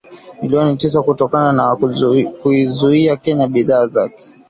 Milioni tisa kutokana na kuiuzia Kenya bidhaa zake